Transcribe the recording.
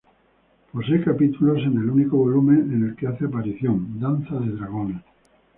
Posee capítulos en el único volumen en el que hace aparición, "Danza de dragones".